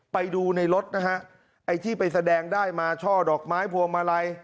ไปดูในรถนะฮะไอ้ที่ไปแสดงได้มาช่อดอกไม้พวงมาลัย